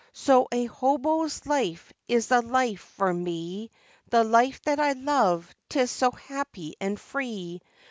So a hobo's life is the life for me, The life that I love 'tis so happy and free.